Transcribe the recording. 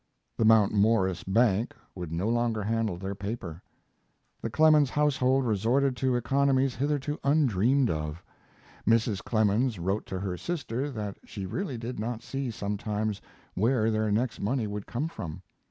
The Mount Morris Bank would no longer handle their paper. The Clemens household resorted to economies hitherto undreamed of. Mrs. Clemens wrote to her sister that she really did not see sometimes where their next money would come from.